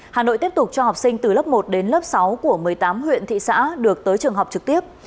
hà nội tiếp tục cho học sinh từ lớp một đến lớp sáu của một mươi tám huyện thị xã được tới trường học trực tiếp